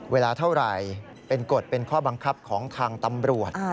เวลาเท่าไหร่เป็นกฎเป็นข้อบังคับของทางตำรวจ